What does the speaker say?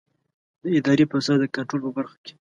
د اداري فساد د کنټرول په برخه کې.